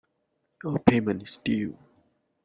Your payment is due.